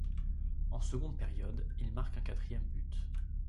En seconde période, il marque un quatrième but.